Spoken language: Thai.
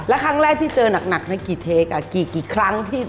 แล้วครั้งแรกที่เจอหนักในกี่เทคกี่ครั้งที่